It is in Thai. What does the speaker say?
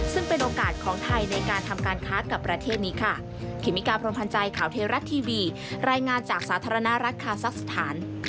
ซึ่งเป็นโอกาสของไทยในการทำการค้ากับประเทศนี้ค่ะ